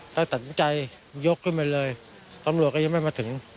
แต่ตัดสินใจยกขึ้นมาเลยปรับโมงก็ยังไม่มาถึง